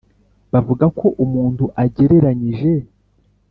bavuga ko umuntu agereranyije,